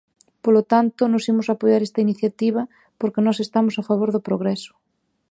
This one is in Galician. Polo tanto, nós imos apoiar esta iniciativa porque nós estamos a favor do progreso.